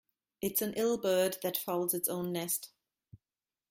It's an ill bird that fouls its own nest.